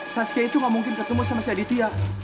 sasuke itu nggak mungkin ketemu sama si aditya